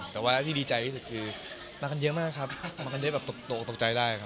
แต่ว่าที่ดีใจที่สุดคือมากันเยอะมากครับมากันเยอะแบบตกใจได้ครับ